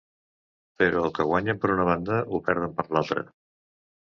Però el que guanyen per una banda ho perden per l'altra.